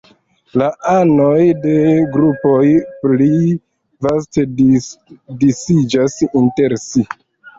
La anoj de grupoj pli vaste disiĝas inter si.